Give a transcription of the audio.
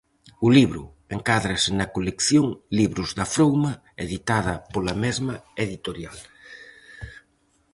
O libro encádrase na colección "Libros da Frouma" editada pola mesma editorial.